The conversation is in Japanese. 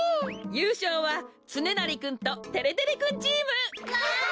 ゆうしょうはつねなりくんとてれてれくんチーム！わい！